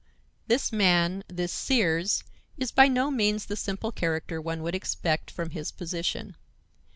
This man, this Sears, is by no means the simple character one would expect from his position.